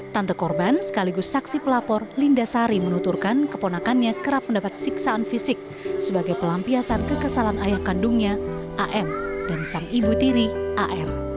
tante korban sekaligus saksi pelapor linda sari menuturkan keponakannya kerap mendapat siksaan fisik sebagai pelampiasan kekesalan ayah kandungnya am dan sang ibu tiri ar